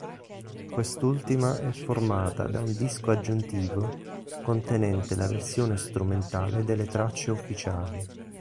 Quest'ultima è formata da un disco aggiuntivo contenente la versione strumentale delle tracce ufficiali.